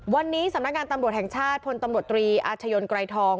วันนี้สำนักงานตำรวจแห่งชาติพลตำรวจตรีอาชญนไกรทอง